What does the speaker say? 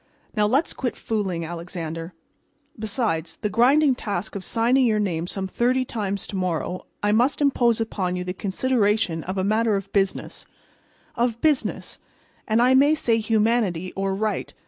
Now, let's quit fooling, Alexander. Besides the grinding task of signing your name some thirty times to morrow, I must impose upon you the consideration of a matter of business—of business, and I may say humanity or right.